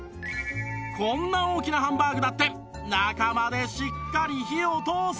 こんな大きなハンバーグだって中までしっかり火を通す！